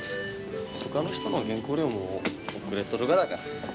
ほかの人の原稿料も遅れとるがだから。